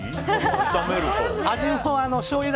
炒めると。